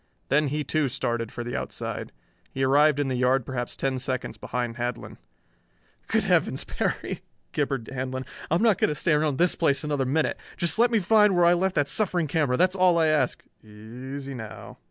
Then he too started for the outside. He arrived in the yard perhaps ten seconds behind Handlon. "Good Heavens, Perry," gibbered Handlon. "I'm not going to stay around this place another minute. Just let me find where I left that suffering camera, that's all I ask." "Easy now."